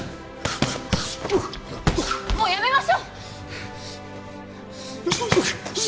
もうやめましょう！